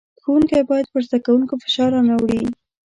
ښوونکی بايد پر زدکوونکو فشار را نۀ وړي.